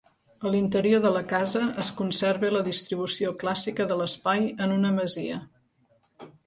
A l'interior de la casa es conserva la distribució clàssica de l'espai en una masia.